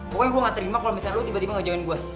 pokoknya gua gak terima kalo misalnya lu tiba tiba ngejauhin gua